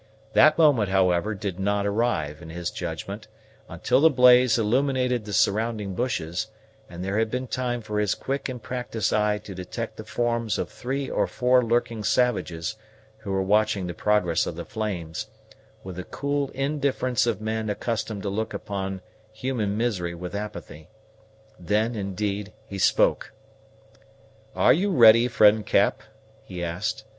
That moment, however, did not arrive, in his judgment, until the blaze illuminated the surrounding bushes, and there had been time for his quick and practised eye to detect the forms of three or four lurking savages, who were watching the progress of the flames, with the cool indifference of men accustomed to look on human misery with apathy. Then, indeed, he spoke. "Are you ready, friend Cap?" he asked.